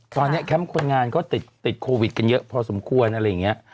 ตอนนี้แคมป์คนงานก็ติดโควิดกันเยอะพอสมควรอะไรอย่างนี้